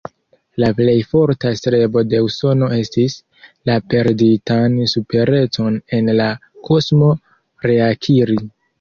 La plej forta strebo de Usono estis, la perditan superecon en la kosmo reakiri.